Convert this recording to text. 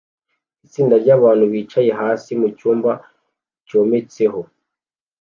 Itsinda ryabantu bicaye hasi mucyumba cyometseho